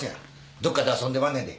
どっかで遊んでまんねんで。